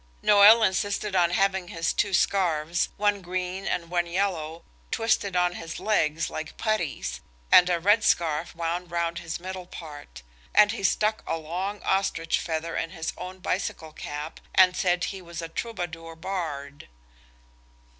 Noël insisted on having his two scarves, one green and one yellow, twisted on his legs like putties, and a red scarf wound round his middle part, and he stuck a long ostrich feather in his own bicycle cap and said he was a troubadour bard.